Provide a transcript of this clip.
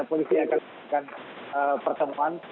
polisi akan menemukan pertemuan